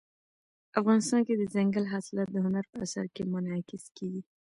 افغانستان کې دځنګل حاصلات د هنر په اثار کې منعکس کېږي.